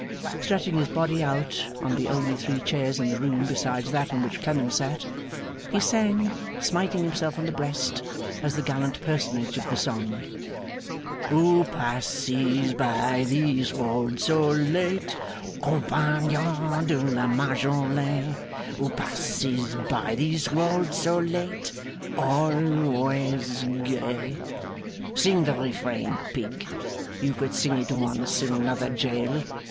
Stretching his body out on the only three chairs in the room besides that on which Clennam sat, he sang, smiting himself on the breast as the gallant personage of the song. 'Who passes by this road so late? Compagnon de la Majolaine! Who passes by this road so late? Always gay! 'Sing the Refrain, pig! You could sing it once, in another jail.